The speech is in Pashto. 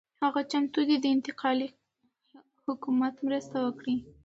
هغه چمتو دی د انتقالي حکومت مرسته وکړي.